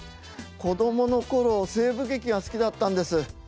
子供の頃西部劇が好きだったんです。